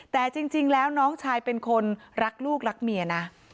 แต่จริงแล้วน้องชายเป็นคนรักลูกรักเมียนะ